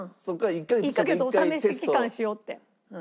１カ月お試し期間しようって。